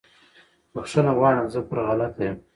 بخښنه غواړم زه پر غلطه یم